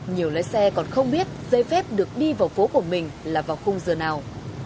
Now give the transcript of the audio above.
nhiều lái xe còn không biết giấy phép được đi vào phố của mình là vào khung giờ nào